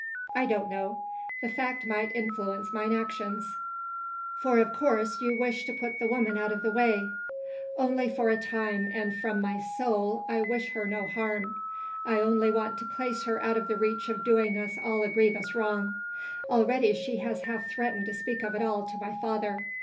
"I don't know. The fact might influence mine actions. For of course you wish to put the woman out of the way." "Only for a time and from my soul I wish her no harm. I only want to place her out of the reach of doing us all a grievous wrong. Already she has half threatened to speak of it all to my father.